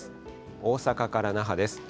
大阪から那覇です。